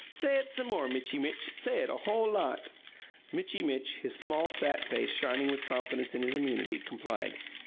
Say it some more, Mitchy Mitch say it a whole lot!" Mitchy Mitch, his small, fat face shining with confidence in his immunity, complied.